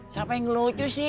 siapa yang lucu sih